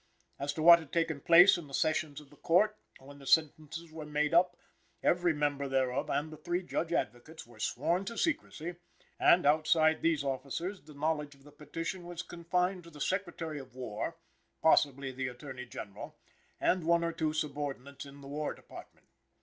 As to what had taken place in the sessions of the Court when the sentences were made up, every member thereof and the three Judge Advocates were sworn to secrecy; and, outside these officers, the knowledge of the petition was confined to the Secretary of War (possibly the Attorney General) and one or two subordinates in the War Department.